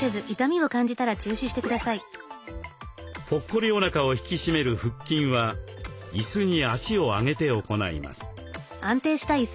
ぽっこりおなかを引き締める腹筋はいすに足を上げて行います。